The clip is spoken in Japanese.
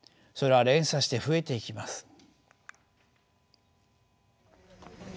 それは連鎖して増えていきます。